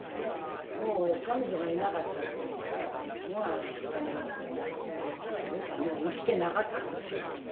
もう、彼女がいなかったらね、僕はもう生きてなかったかもしらん。